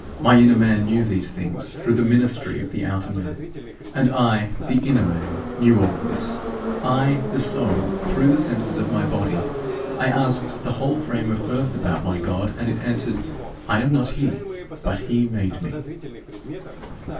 My inner man knew these things through the ministry of the outer man, and I, the inner man, knew all this I, the soul, through the senses of my body. I asked the whole frame of earth about my God, and it answered, "I am not he, but he made me."